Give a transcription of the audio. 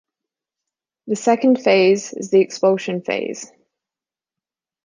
The second phase is the expulsion phase.